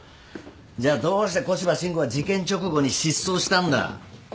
じゃあどうして古芝伸吾は事件直後に失踪したんだ？